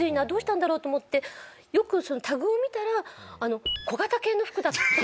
どうしたんだろう？」と思ってよくタグを見たら小型犬の服だった。